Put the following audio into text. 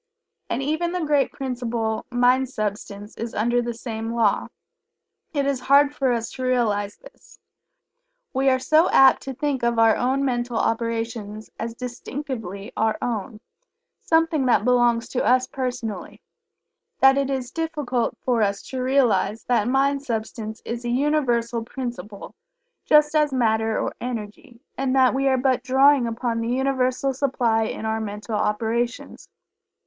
And even the great principle, Mind substance, is under the same law. It is hard for us to realize this. We are so apt to think of our mental operations as distinctively our own something that belongs to us personally that it is difficult for us to realize that Mind substance is a Universal principle just as Matter or Energy, and that we are but drawing upon the Universal supply in our mental operations.